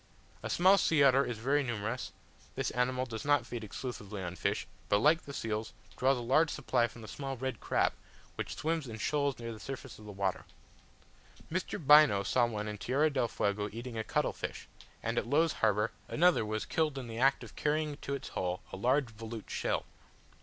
A small sea otter is very numerous; this animal does not feed exclusively on fish, but, like the seals, draws a large supply from a small red crab, which swims in shoals near the surface of the water. Mr. Bynoe saw one in Tierra del Fuego eating a cuttle fish; and at Low's Harbour, another was killed in the act of carrying to its hole a large volute shell.